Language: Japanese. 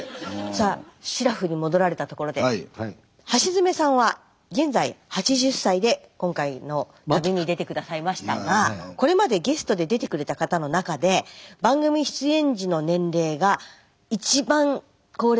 さあしらふに戻られたところで橋爪さんは現在８０歳で今回の旅に出て下さいましたがこれまでゲストで出てくれた方の中でと８か月。